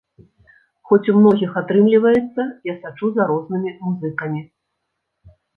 Хоць у многіх атрымліваецца, я сачу за рознымі музыкамі.